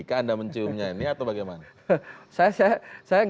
ke anda menciumnya ini